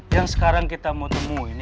yang sekarang kita mau temuin